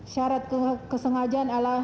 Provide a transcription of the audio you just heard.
syarat kesengajaan adalah